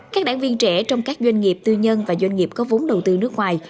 các đảng viên trẻ trong các doanh nghiệp tư nhân và doanh nghiệp có vốn đầu tư nước ngoài